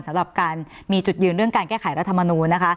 สำหรับการมีจุดยืนเรื่องการแก้ไขรัฐมนูลนะคะ